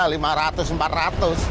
itu kalau lewat pantura